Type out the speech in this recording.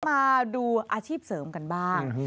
มาดูอาชีพเสริมกันบ้าง